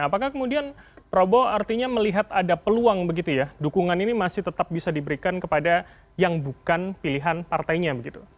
apakah kemudian prabowo artinya melihat ada peluang begitu ya dukungan ini masih tetap bisa diberikan kepada yang bukan pilihan partainya begitu